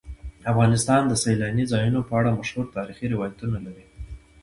افغانستان د سیلانی ځایونه په اړه مشهور تاریخی روایتونه لري.